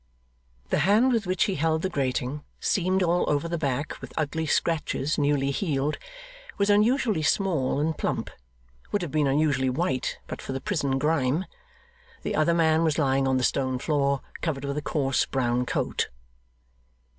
The hand with which he held the grating (seamed all over the back with ugly scratches newly healed), was unusually small and plump; would have been unusually white but for the prison grime. The other man was lying on the stone floor, covered with a coarse brown coat.